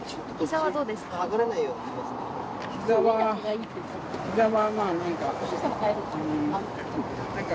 ひざはどうですか？